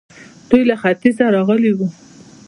دوی له ختيځه راغلي وو